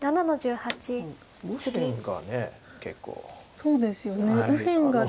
そうですよね右辺が。